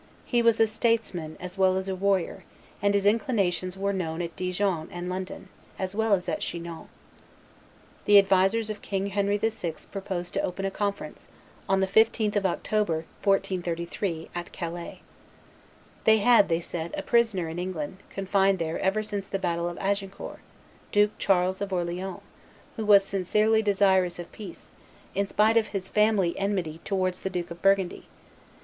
He was a states man as well as a warrior; and his inclinations were known at Dijon and London, as well as at Chinon. The advisers of King Henry VI. proposed to open a conference, on the 15th of October, 1433, at Calais. They had, they said, a prisoner in England, confined there ever since the battle of Agincourt, Duke Charles of Orleans, who was sincerely desirous of peace, in spite of his family enmity towards the Duke of Burgundy.